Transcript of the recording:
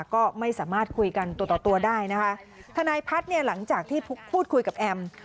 ก็ไม่สามารถคุยกันตัวต่อตัวได้นะคะทนายพัฒน์เนี่ยหลังจากที่พูดคุยกับแอม